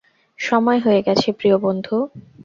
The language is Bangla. সময় হয়ে গেছে, প্রিয় বন্ধু।